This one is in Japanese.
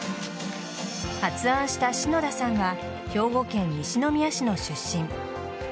発案した篠田さんは兵庫県西宮市の出身。